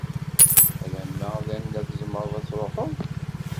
Alamma d anda tzemreḍ ad truḥeḍ?